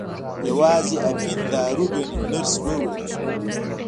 یوازې اپین دارو ګڼي نرس وویل.